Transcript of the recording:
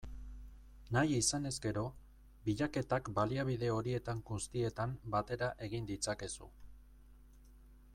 Nahi izanez gero, bilaketak baliabide horietan guztietan batera egin ditzakezu.